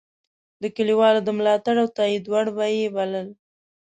د کلیوالو د ملاتړ او تایید وړ به یې بلل.